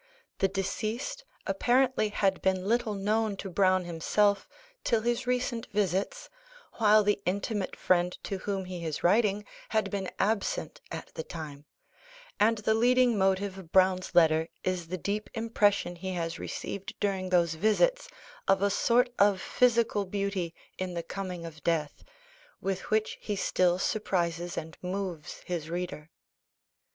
The deceased apparently had been little known to Browne himself till his recent visits, while the intimate friend to whom he is writing had been absent at the time; and the leading motive of Browne's letter is the deep impression he has received during those visits, of a sort of physical beauty in the coming of death, with which he still surprises and moves his reader.